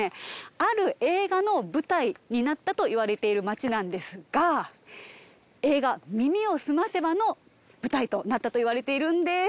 ある映画の舞台になったといわれている街なんですが映画『耳をすませば』の舞台となったといわれているんです。